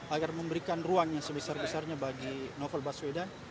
agar memberikan ruang yang sebesar besarnya bagi novel baswedan